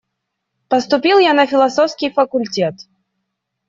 Поступил я на философский факультет.